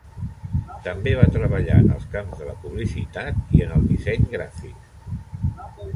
També va treballar en els camps de la publicitat i en el disseny gràfic.